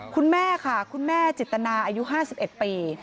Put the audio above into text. คุณแม่ค่ะคุณแม่จิตนาอายุห้าสิบเอ็ดปี